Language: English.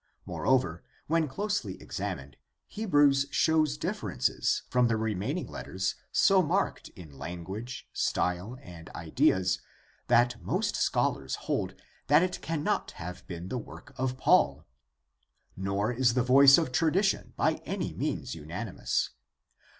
Moreover, when closely exammed Hebrews shows dififerences from the remaining letters so marked in language, style, and ideas that most scholars hold that it cannot have been the work of Paul. Nor is the voice of tradition by any means unanimous.